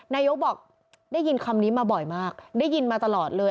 นายกบอกได้ยินคำนี้มาบ่อยมากได้ยินมาตลอดเลย